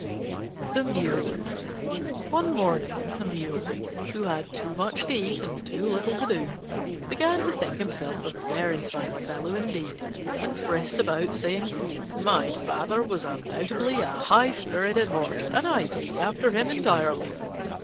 THE MULE One morning a Mule, who had too much to eat and too little to do, began to think himself a very fine fellow indeed, and frisked about saying, "My father was undoubtedly a high spirited horse and I take after him entirely."